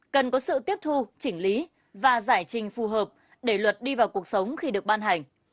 cần có sự tiếp thu chỉnh lý và giải trình phù hợp để luật đi vào cuộc sống khi được ban hành